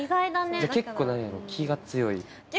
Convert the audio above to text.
じゃあ結構何やろう気が強い？